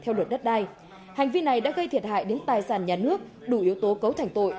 theo luật đất đai hành vi này đã gây thiệt hại đến tài sản nhà nước đủ yếu tố cấu thành tội